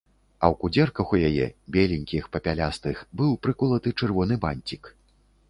А ў кудзерках у яе, беленькіх, папялястых, быў прыколаты чырвоны банцік.